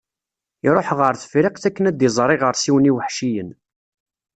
Iruḥ ɣer Tefriqt akken ad d-iẓer iɣersiwen iweḥciyen.